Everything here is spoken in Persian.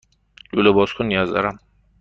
لوله بازکن نیاز دارم.